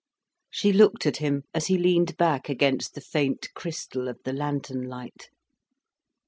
She looked at him, as he leaned back against the faint crystal of the lantern light.